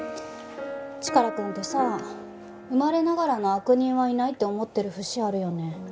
チカラくんってさ生まれながらの悪人はいないって思ってる節あるよね。